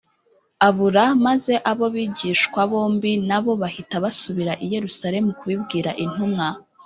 abura maze abo bigishwa bombi na bo bahita basubira i yerusalemu kubibwira intumwa